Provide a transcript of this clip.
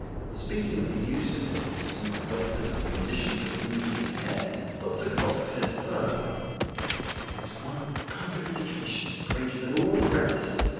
Speaking of the use of hypnotism by doctors under conditions of reasonable care, Dr. Cocke says further: "There is one contraindication greater than all the rest.